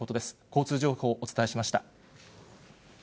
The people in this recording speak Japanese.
交通情報をお伝えしました。